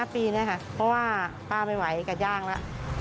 เพราะว่าป้าไม่ไหวกับย่างแล้ว